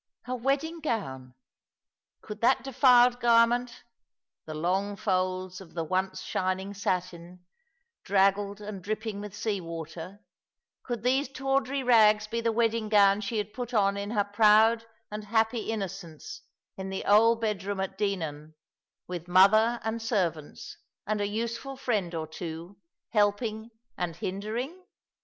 Her wedding gown ! Could that defiled garment —the long folds of the once shining satin, draggled and dripping with sea water — could these tawdry rags be the wedding gown she had put on in her proud and hapjjy innocence in the old bedroom at Dinan, with mother, and servants, and a useful friend or two helping and hindering